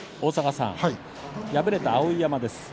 敗れた碧山です。